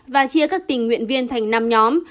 và chia các tình nguyện viên thành năm nhóm